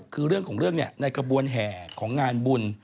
คือเรื่องของเรื่องในกระบวนแห่ของงานบุญ